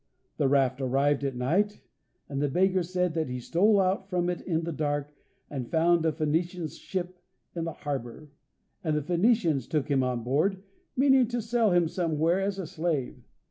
The raft arrived at night, and the beggar said that he stole out from it in the dark and found a Phoenician ship in the harbour, and the Phoenicians took him on board, meaning to sell him somewhere as a slave.